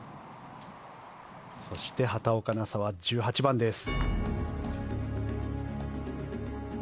そして畑岡奈紗は１８番です。